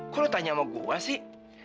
kok lu tanya sama gua sih